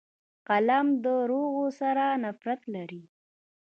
قلم له دروغو سره نفرت لري